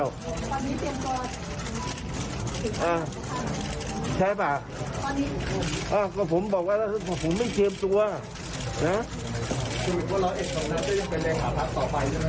อ่าใช้ป่ะอ่าก็ผมบอกว่าแล้วผมไม่เตรียมตัวนะ